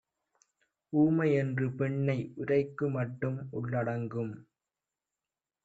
ஊமைஎன்று பெண்ணை உரைக்குமட்டும் உள்ளடங்கும்